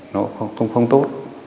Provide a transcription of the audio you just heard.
nó cũng không tốt